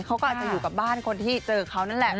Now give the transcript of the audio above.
เขาก็อาจจะอยู่กับบ้านคนที่เจอเขานั่นแหละ